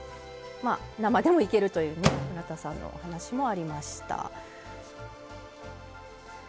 生でもいけるという村田さんのお話もありました。